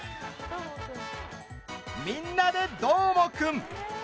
「みんなＤＥどーもくん！」。